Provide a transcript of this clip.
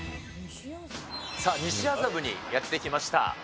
さあ、西麻布にやって来ました。